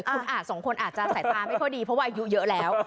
คุณอาจสองคนอาจจะสายตาไม่ค่อยดีเพราะว่าอายุเยอะแล้ว